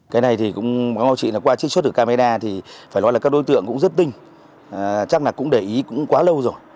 cái này thì cũng có một câu chuyện là qua chiếc xuất của camera thì phải nói là các đối tượng cũng rất tinh chắc là cũng để ý cũng quá lâu rồi